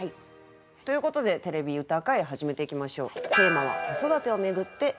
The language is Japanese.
ということで「てれび歌会」始めていきましょう。